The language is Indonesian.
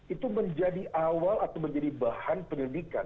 itu menjadi awal atau menjadi bahan penyelidikan